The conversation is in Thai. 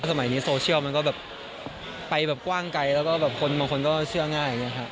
สมัยนี้โซเชียลมันก็แบบไปแบบกว้างไกลแล้วก็แบบคนบางคนก็เชื่อง่ายอย่างนี้ครับ